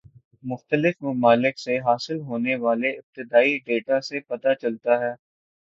مختلف ممالک سے حاصل ہونے والے ابتدائی دیتا سے پتہ چلتا ہے